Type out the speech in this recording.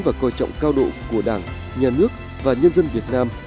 và coi trọng cao độ của đảng nhà nước và nhân dân việt nam